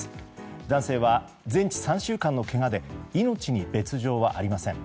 男性は全治３週間のけがで命に別条はありません。